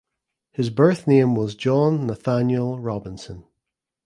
His birth name was John Nathaniel Robinson.